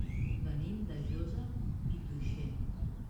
Venim de Josa i Tuixén.